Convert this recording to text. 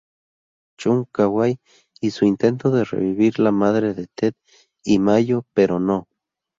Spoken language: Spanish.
Chong-Kwai y su intento de revivir la madre de Ted y mayo, pero no.